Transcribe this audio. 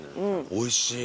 おいしい。